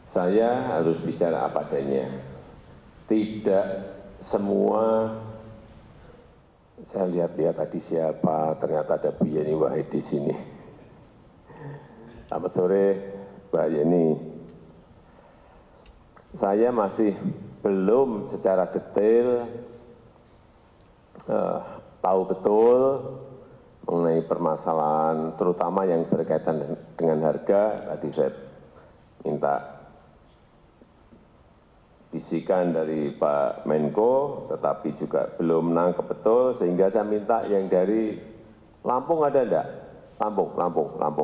sehingga saya minta yang dari lampung ada enggak lampung lampung lampung